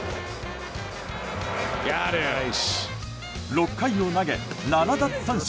６回を投げ７奪三振